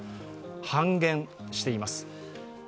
半減しています。